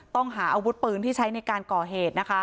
ต้องหาอาวุธปืนที่ใช้ในการก่อเหตุ